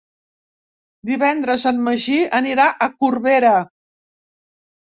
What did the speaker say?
Divendres en Magí anirà a Corbera.